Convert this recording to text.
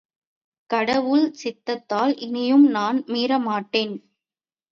கடவுள் சித்தத்தால் இனியும் நான் மீற மாட்டேன்.